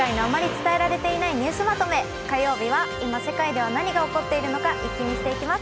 火曜日は今世界では何が起こっているのかイッキ見していきます。